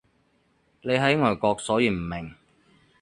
你喺外國所以唔明